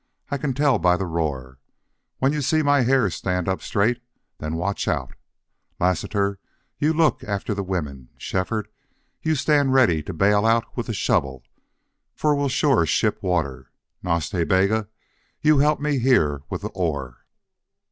I can tell by the roar. When you see my hair stand up straight then watch out!... Lassiter, you look after the women. Shefford, you stand ready to bail out with the shovel, for we'll sure ship water. Nas Ta Bega, you help here with the oar."